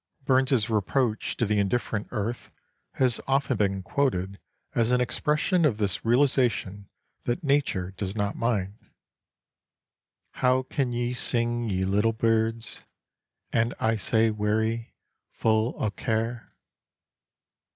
Burns's reproach to the indifferent earth has often been quoted as an expression of this realisation that nature does not mind: How can ye sing, ye little birds, And I sae weary, fu' o' care?